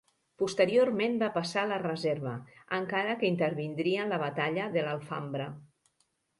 Posteriorment va passar a la reserva, encara que intervindria en la batalla de l'Alfambra.